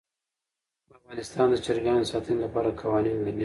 افغانستان د چرګانو د ساتنې لپاره قوانین لري.